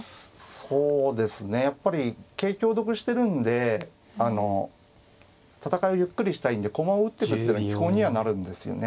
そうですねやっぱり桂香得してるんで戦いをゆっくりしたいんで駒を打ってくっていうのは基本にはなるんですよね。